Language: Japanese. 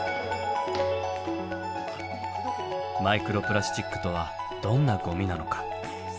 マイクロプラスチックとはどんなごみなのか？